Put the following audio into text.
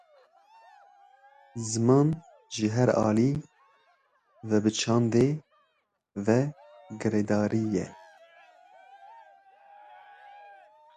Ziman ji her alî ve bi çandê ve girêdayî ye.